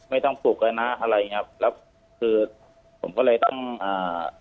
ไม่ต้องปลุกเลยนะอะไรอย่างนี้ครับแล้วคือผมก็เลยต้องอ่า